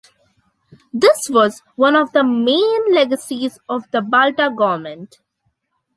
This was one of the main legacies of the Balta government.